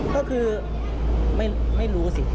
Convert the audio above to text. ก็คือไม่รู้สิ